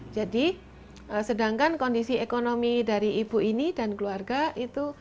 jadi sedangkan kondisi ekonomi dari ibu ini dan keluarga itu